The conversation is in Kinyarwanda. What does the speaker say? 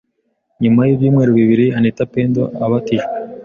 Nyuma y’ibyumweru bibiri Anita Pendo abatijwe